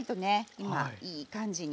今いい感じに。